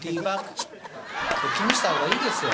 ちょっと気にした方がいいですよ。